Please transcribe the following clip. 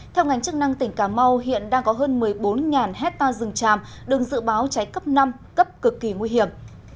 theo ngành chức năng tỉnh cà mau hiện đang có hơn một mươi bốn hectare rừng tràm đường dự báo cháy cấp năm cấp cực kỳ nguy hiểm